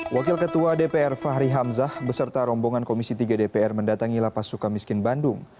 wakil ketua dpr fahri hamzah beserta rombongan komisi tiga dpr mendatangi lapas suka miskin bandung